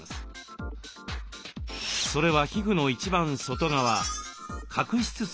それは皮膚の一番外側角質層。